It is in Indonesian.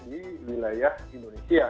di wilayah indonesia